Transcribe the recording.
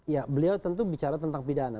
ya beliau tentu bicara tentang pidana